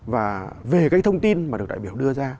và về cái thông tin mà được đại biểu đưa ra